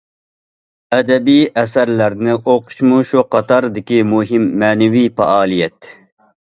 ئەدەبىي ئەسەرلەرنى ئوقۇشمۇ شۇ قاتاردىكى مۇھىم مەنىۋى پائالىيەت.